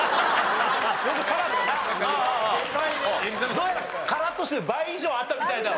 どうやらカラット数倍以上あったみたいだわ。